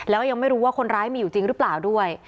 แล้วก็ยังไม่รู้ว่าคนร้ายมีอยู่จริงหรือเปล่าด้วย